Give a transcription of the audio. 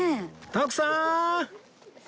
徳さん！